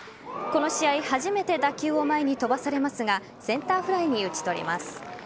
この試合初めて打球を前に飛ばされますがセンターフライに打ち取ります。